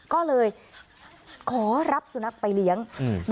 ก็เลยขอรับสุนัขไปเลี้ยงอืม